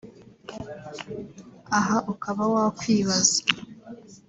aha ukaba wakwibaza